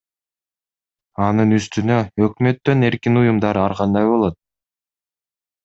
Анын үстүнө өкмөттөн эркин уюмдар ар кандай болот.